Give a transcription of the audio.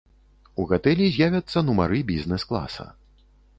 У гатэлі з'явяцца нумары бізнэс-класа.